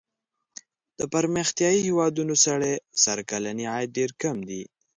د پرمختیايي هېوادونو سړي سر کلنی عاید ډېر کم دی.